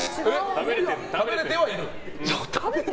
食べれてはいる？